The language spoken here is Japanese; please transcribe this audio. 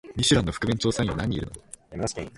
ミシュランの覆面調査員は何人いるの？